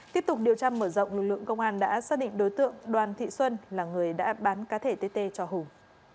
tiếp tục điều tra mở rộng lực lượng công an đã xác định đối tượng đoàn thị xuân là người đã bán cá thể tt cho hùng